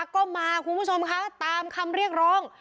ก็มาคุณผู้ชมคะตามคำเรียกร้อง